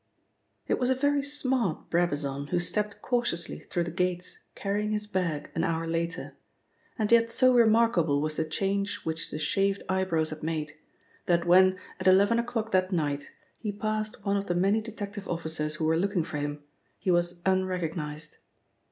It was a very smart Brabazon who stepped cautiously through the gates carrying his bag an hour later, and yet so remarkable was the change which the shaved eyebrows had made, that when, at eleven o'clock that night, he passed one of the many detective officers who were looking for him, he was unrecognised.